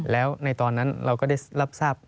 แล้วในตอนนั้นเราก็ได้รับทราบ